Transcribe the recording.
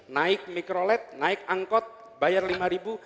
naik mikrolet naik angkot bayar rp lima